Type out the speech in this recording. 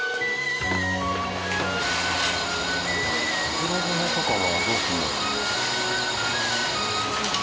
袋詰めとかはどうするんだろう？